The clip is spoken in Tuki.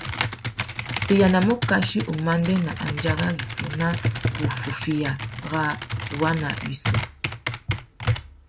Tu yānamú ukachi umandēna andjara rissú nà wuffúffüiya râ waná wissú.